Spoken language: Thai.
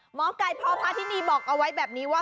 หมอไก่พพาธินีบอกเอาไว้แบบนี้ว่า